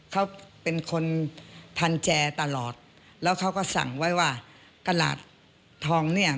เขาเป็นคนทันแจตลอดแล้วเขาก็สั่งไว้ว่าตลาดทองเนี่ย